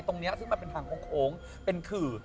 ตรงนี้ซึ่งมันเป็นทางโค้งเป็นขื่อ